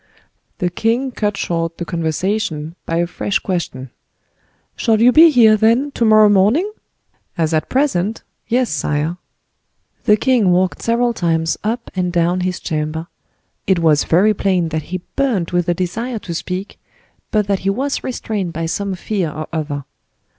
The king cut short the conversation by a fresh question. "Shall you be here, then, to morrow morning?" "As at present? yes, sire." The king walked several times up and down his chamber; it was very plain that he burned with a desire to speak, but that he was restrained by some fear or other.